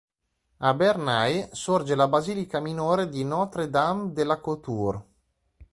A Bernay sorge la basilica minore di "Notre-Dame-de-la-Couture".